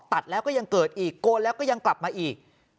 ตัดแล้วก็ยังเกิดอีกโกนแล้วก็ยังกลับมาอีก